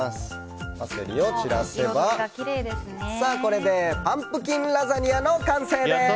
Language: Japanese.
パセリを散らせば、これでパンプキンラザニアの完成です！